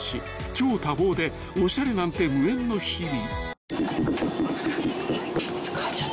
［超多忙でおしゃれなんて無縁の日々］